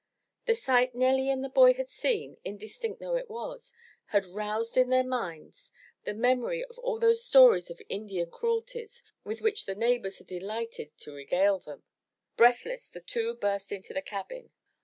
The sight Nelly and the boy had seen, indistinct though it was, had roused in their minds the memory of all those stories of Indian cruelties, with which the neighbors had delighted to regale them. Breathless, the two burst into the cabin.